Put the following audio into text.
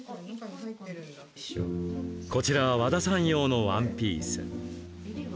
こちらは和田さん用のワンピース。